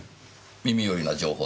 耳寄りな情報とは？